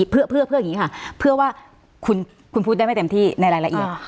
เพื่อว่าคุณพูดได้เต็มที่ในรายละเอียด